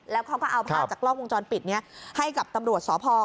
แล้วเขาก็เอาภาพจากกล้องวงจรปิดนี้ให้กับตำรวจสพ